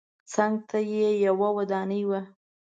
څنګ ته یې یوه ودانۍ وه.